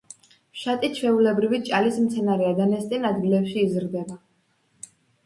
ფშატი ჩვეულებრივი ჭალის მცენარეა და ნესტიან ადგილებში იზრდება.